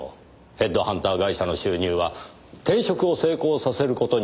ヘッドハンター会社の収入は転職を成功させる事によって生じる。